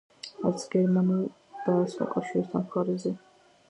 არც გერმანულ და არც მოკავშირეთა მხარეზე.